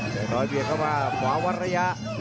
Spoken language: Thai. เดี๋ยวน้อยเบียงเข้ามาขวาวรรยะ